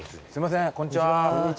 こんにちは。